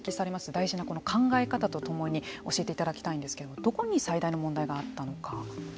大事な考え方と共に教えていただきたいんですけれどもどこに最大の問題があったのか。